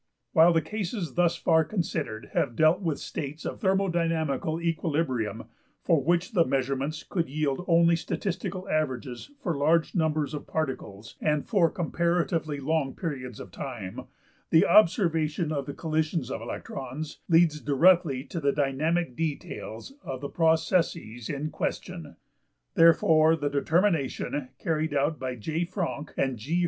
While the cases thus far considered have dealt with states of thermodynamical equilibrium, for which the measurements could yield only statistical averages for large numbers of particles and for comparatively long periods of time, the observation of the collisions of electrons leads directly to the dynamic details of the processes in question. Therefore the determination, carried out by J.~Franck and G.